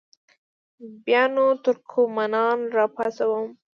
بیا نو ترکمنان را پاڅوم.